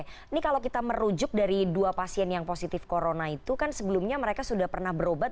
ini kalau kita merujuk dari dua pasien yang positif corona itu kan sebelumnya mereka sudah pernah berobat